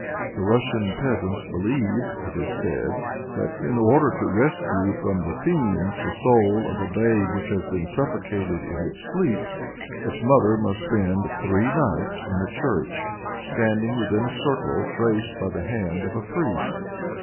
The Russian peasants believe, it is said, that in order to rescue from the fiends the soul of a babe which has been suffocated in its sleep, its mother must spend three nights in a church, standing within a circle traced by the hand of a priest.